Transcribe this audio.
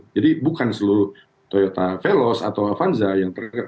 jadi bukan seluruh toyota veloz atau avanza yang terdampak